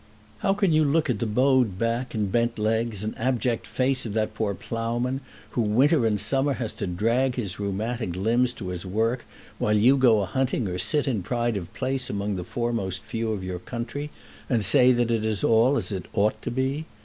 How can you look at the bowed back and bent legs and abject face of that poor ploughman, who winter and summer has to drag his rheumatic limbs to his work, while you go a hunting or sit in pride of place among the foremost few of your country, and say that it all is as it ought to be?